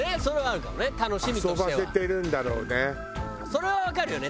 それはわかるよね